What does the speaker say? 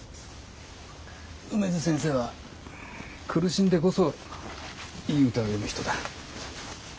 梅津先生は苦しんでこそいい歌を詠む人だ。